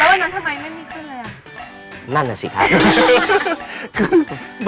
แล้ววันนั้นทำไมไม่มีขึ้นเลยอ่ะ